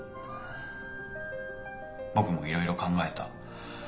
僕もいろいろ考えた。